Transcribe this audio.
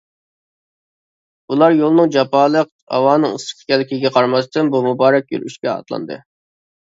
ئۇلار يولنىڭ جاپالىق، ھاۋانىڭ ئىسسىق ئىكەنلىكىگە قارىماستىن، بۇ مۇبارەك يۈرۈشكە ئاتلاندى.